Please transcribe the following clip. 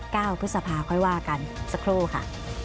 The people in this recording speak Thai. พฤษภาค่อยว่ากันสักครู่ค่ะ